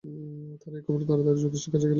তাঁরা এই খবর পেয়ে তাড়াতাড়ি জ্যোতিষীর কাছে গেলেন।